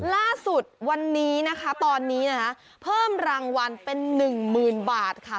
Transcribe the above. ล่าสุดวันนี้นะคะตอนนี้นะคะเพิ่มรางวัลเป็นหนึ่งหมื่นบาทค่ะ